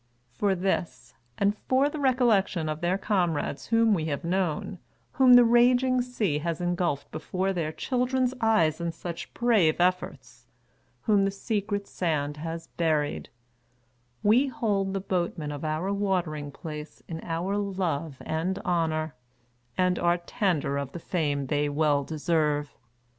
For this, and for the recollection of their com rades whom we have known, whom the raging sea has engulfed before their children's eyes in such brave efforts, whom the secret sand has buried, we hold the boatmen of our Watering Place in our love and honor, and are tender of the fame they well deserve.